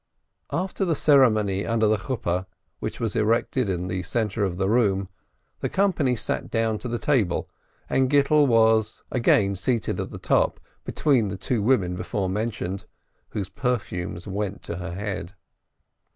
After the ceremony under the canopy, which was erected in the centre of the room, the company sat down to the table, and Gittel was again seated at the top, between the two women before mentioned, whose per fumes went to her head.